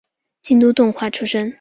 京都动画出身。